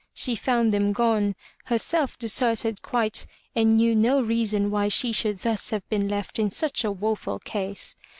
She found them gone, herself deserted quite, and knew no reason why she should thus have been left in such a woful case.